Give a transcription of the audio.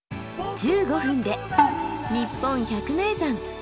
１５分で「にっぽん百名山」。